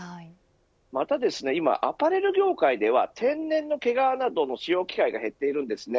また今アパレル業界では天然の毛皮などの使用機会が減っているんですね。